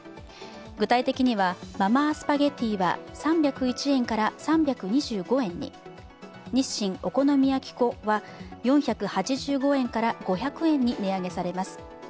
具体的にはマ・マースパゲティは３０１円から３２５円に日清お好み焼粉は４８５円から５００円に値上げされます。